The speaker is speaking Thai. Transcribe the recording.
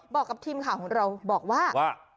บอกกับทีมข่าวของเราบอกว่า